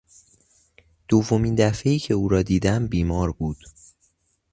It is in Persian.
دومین دفعهای که او را دیدم بیمار بود.